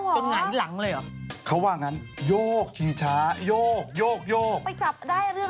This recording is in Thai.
คือเราจะบอกเลยว่าเราวางปั๊บนี้วันนี้หืม